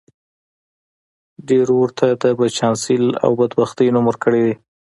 ډېرو ورته د بدچانسۍ او بدبختۍ نوم ورکړی دی